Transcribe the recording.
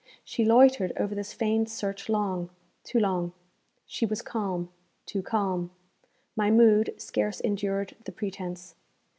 She loitered over this feigned search long, too long. She was calm, too calm. My mood scarce endured the pretence.